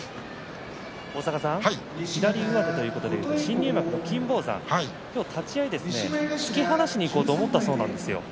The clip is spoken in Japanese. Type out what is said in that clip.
左上手ということで新入幕の金峰山立ち合い、突き放しにいこうと思ったそうです。